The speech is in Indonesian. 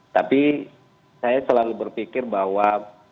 tapi saya selalu berpikir bahwa